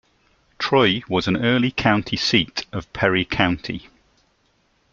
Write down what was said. Troy was an early county seat of Perry County.